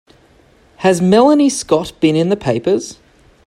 Has Melanie Scott been in the papers?